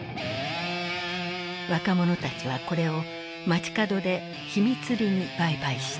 若者たちはこれを街角で秘密裏に売買した。